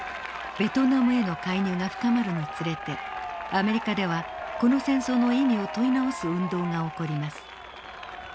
ベトナムへの介入が深まるにつれてアメリカではこの戦争の意味を問い直す運動が起こります。